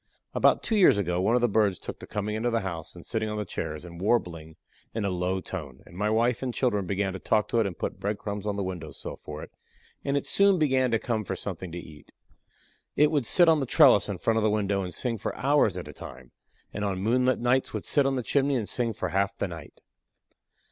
About two years ago one of the birds took to coming into the house, and sitting on the chairs and warbling in a low tone, and my wife and children began to talk to it and put bread crumbs on the window sill for it, and it soon began to come for something to eat. It would sit on the trellis in front of the window and sing for hours at a time, and on moonlight nights would sit on the chimney and sing for half the night.